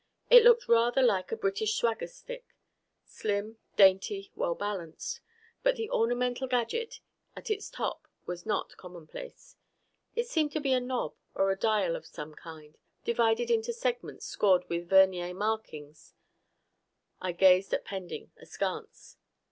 It looked rather like a British swagger stick: slim, dainty, well balanced. But the ornamental gadget at its top was not commonplace. It seemed to be a knob or a dial of some kind, divided into segments scored with vernier markings. I gazed at Pending askance.